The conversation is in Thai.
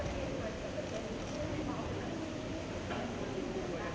สวัสดีครับสวัสดีครับ